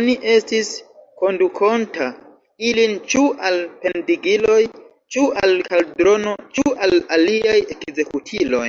Oni estis kondukonta ilin ĉu al pendigiloj, ĉu al kaldrono, ĉu al aliaj ekzekutiloj.